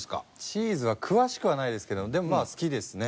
チーズは詳しくはないですけどでも好きですね。